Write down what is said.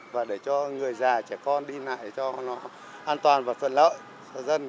và để cho người già trẻ con đi lại cho nó an toàn và thuận lợi cho dân